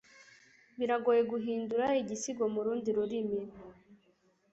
Biragoye guhindura igisigo mu rundi rurimi